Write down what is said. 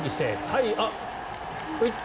はい。